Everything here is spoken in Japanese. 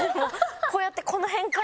こうやってこの辺から。